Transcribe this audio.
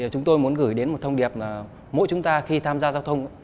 chúng tôi muốn gửi đến một thông điệp là mỗi chúng ta khi tham gia giao thông